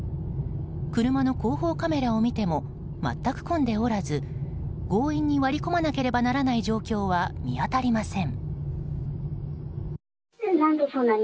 車の後方カメラを見ても全く混んでおらず強引に割り込まなければならない状況は見当たりません。